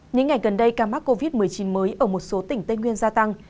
những ngày gần đây ca mắc covid một mươi chín mới ở một số tỉnh tây nguyên gia tăng